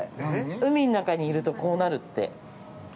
海の中にいると、こうなるって。